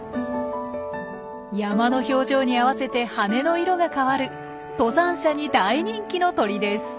山の表情に合わせて羽の色が変わる登山者に大人気の鳥です。